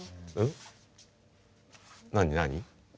何何？